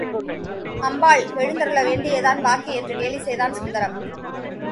அம்பாள் எழுந்தருள வேண்டியது தான் பாக்கி என்று கேலி செய்தான் சுந்தரம்.